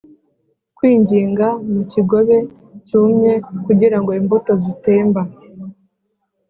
kwinginga mukigobe cyumye kugirango imbuto zitemba